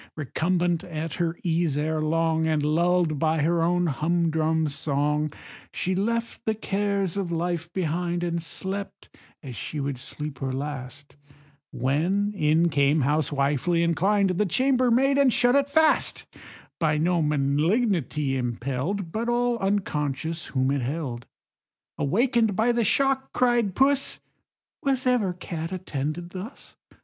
Recumbent at her ease, ere long, And lull'd by her own humdrum song, She left the cares of life behind, And slept as she would sleep her last, When in came, housewifely inclined, The chambermaid, and shut it fast; By no malignity impell'd, But all unconscious whom it held. Awaken'd by the shock (cried Puss) "Was ever cat attended thus?